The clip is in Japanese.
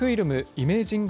イメージング